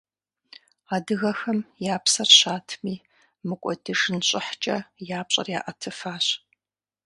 Адыгэхэм я псэр щатми, мыкӀуэдыжын щӀыхькӀэ я пщӀэр яӀэтыфащ.